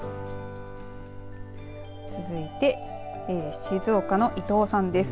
続いて静岡の伊藤さんです。